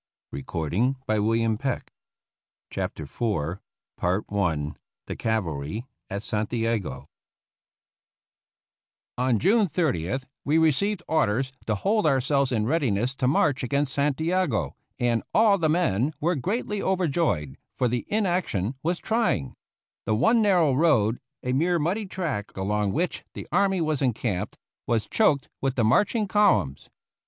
JIS IV THE CAVALRY AT SANTIAGO ON June 30th we received orders to hold our selves in readiness to march against Santi ago, and all the men were greatly over joyed, for the inaction was trying. The one narrow road, a mere muddy track along which the army was encamped, was choked with the marching columns.